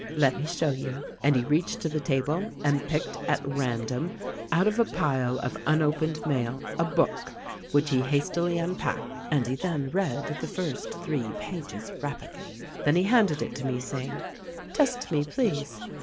Let me show you. And he reached to the table and picked, at random, out of a pile of unopened mail a book which he hastily unpacked, and he then read the first three pages rapidly. Then he handed it to me, saying, 'Test me, please.